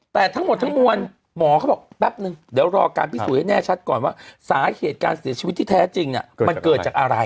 แต่ทั้งหมดทั้งมวลหมอเขาบอกแป๊บนึงเดี๋ยวรอการพิสูจน์ให้แน่ชัดก่อนว่าสาเหตุการเสียชีวิตที่แท้จริงมันเกิดจากอะไร